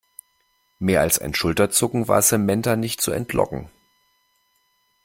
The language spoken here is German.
Mehr als ein Schulterzucken war Samantha nicht zu entlocken.